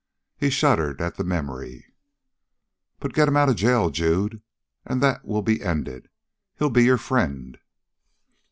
He shuddered at the memory. "But get him out of the jail, Jude, and that will be ended. He'll be your friend."